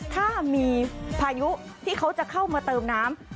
ถ้ามีพายุที่เขาจะเข้ามาเติมน้ำ